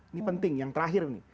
ini penting yang terakhir